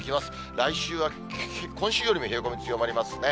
来週は今週よりも冷え込み強まりますね。